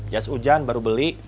jas hujan baru beli